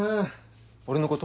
俺のこと？